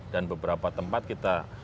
dan beberapa tempat kita